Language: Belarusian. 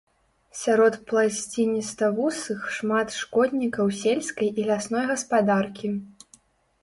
Сярод пласцініставусых шмат шкоднікаў сельскай і лясной гаспадаркі.